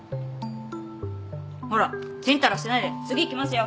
ほらちんたらしてないで次行きますよ。